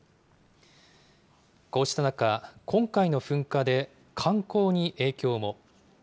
こうした中、今回の噴火で観光に影響も。